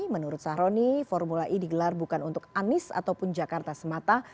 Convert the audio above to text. menurut sahroni formula e digelar bukan untuk anies ataupun jakarta semata